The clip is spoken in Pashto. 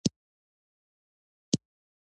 د کور د کړکۍ پرده خواره شوې وه.